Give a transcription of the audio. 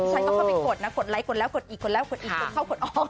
ฉันก็เข้าไปกดนะกดไลค์กดแล้วกดอีกกดแล้วกดอีกกดเข้ากดออก